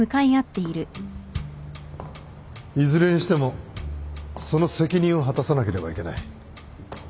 いずれにしてもその責任を果たさなければいけない